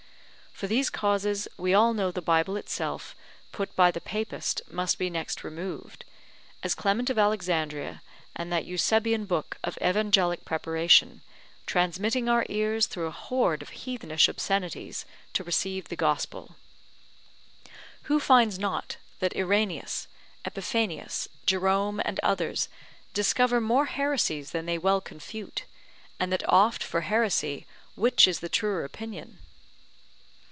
For these causes we all know the Bible itself put by the Papist put by the Papist into the first rank of prohibited books. The ancientest Fathers must be next removed, as Clement of Alexandria, and that Eusebian book of Evangelic preparation, transmitting our ears through a hoard of heathenish obscenities to receive the Gospel. Who finds not that Irenaeus, Epiphanius, Jerome, and others discover more heresies than they well confute, and that oft for heresy which is the truer opinion?